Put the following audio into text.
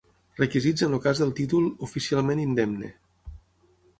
Requisits en el cas del títol "oficialment indemne"